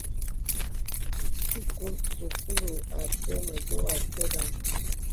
Sūkūlu asə mə dògà àtərəŋ.